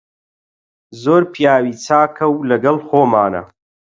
زۆر پیاوی چاکە و لەگەڵ خۆمانە.